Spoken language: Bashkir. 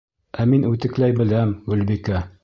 Ә мин үтекләй беләм, Гөлбикә!